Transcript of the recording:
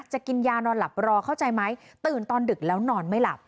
กินยานอนหลับรอเข้าใจไหมตื่นตอนดึกแล้วนอนไม่หลับ